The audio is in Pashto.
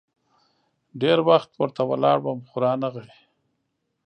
ډېر وخت ورته ولاړ وم ، خو رانه غی.